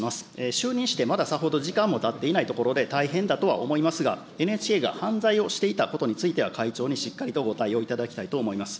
就任してまださほど時間がたっていないところで大変だとは思いますが、ＮＨＫが犯罪をしていたことについては、会長にしっかりとご対応いただきたいと思います。